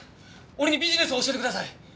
俺にビジネスを教えてください！